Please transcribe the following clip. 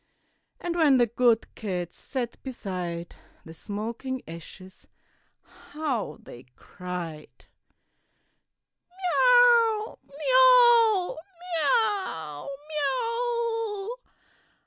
And when the good cats sat beside The smoking ashes, how they cried, "Me ow, me o! Me ow, me oo!